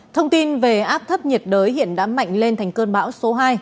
thông tin về áp thấp nhiệt đới hiện đã mạnh lên thành cơn bão số hai